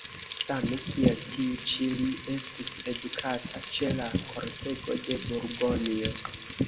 Same kiel tiu ĉi li estis edukata ĉe la kortego de Burgonjo.